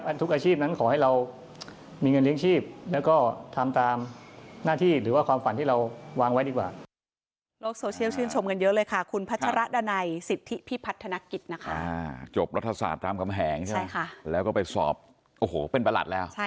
ทุกอาชีพนั้นขอให้เรามีเงินเลี้ยงชีพแล้วก็ทำตามหน้าที่หรือว่าความฝันที่เราวางไว้ดีกว่า